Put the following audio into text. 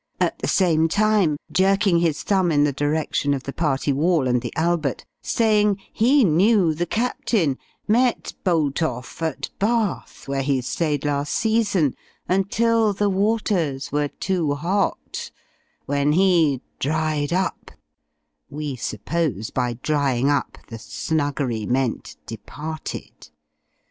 At the same time, jerking his thumb in the direction of the party wall and the Albert, saying, he knew the Captain, met Boultoff at Bath, where he stayed last season, until the waters were too hot, when he "dried up" (we suppose by drying up, the "Snuggery" meant departed).